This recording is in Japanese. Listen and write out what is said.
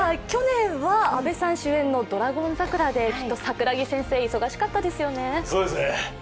去年は阿部さん主演の「ドラゴン桜」で桜木先生、忙しかったですよね。